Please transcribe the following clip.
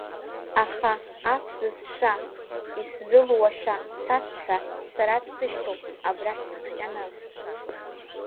Аха, аф зысша, исзылуашәа цасҳәа, сара дсышьҭоуп абрахь дыҭҟьаны.